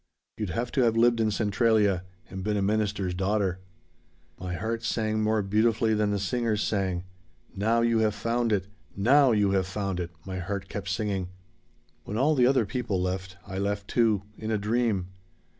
You'd have to have lived in Centralia and been a minister's daughter. "My heart sang more beautifully than the singers sang. 'Now you have found it! Now you have found it!' my heart kept singing. "When all the other people left I left too in a dream.